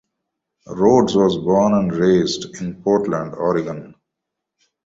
Rhodes was born and raised in Portland, Oregon.